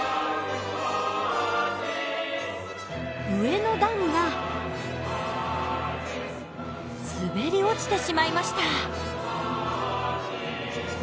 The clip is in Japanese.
上の段が滑り落ちてしまいました。